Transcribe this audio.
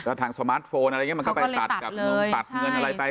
กระทั่งสมาร์ทโฟนอะไรเงี้ยมันก็ไปตัดกับตัดเงินอะไรไป